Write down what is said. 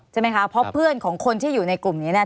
ใช่ไหมคะเพราะเพื่อนของคนที่อยู่ในกลุ่มนี้เนี่ย